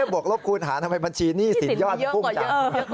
บวกลบคูณหารทำไมบัญชีหนี้สินยอดมันพุ่งจัง